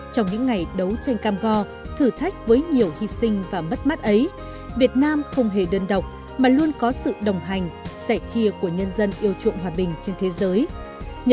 trong những ngày đấu tranh cam go thử thách với nhiều hy sinh và mất mắt ấy việt nam không hề đơn độc mà luôn có sự đồng hành sẻ chia của nhân dân yêu chuộng hòa bình trên thế giới